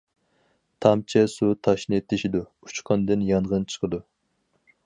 تامچە سۇ تاشنى تېشىدۇ، ئۇچقۇندىن يانغىن چىقىدۇ.